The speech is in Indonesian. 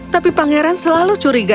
tapi pangeran selalu curiga